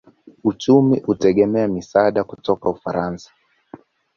Uchumi hutegemea misaada kutoka Ufaransa.